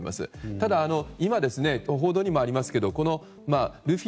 ただ今、報道にもありますがルフィ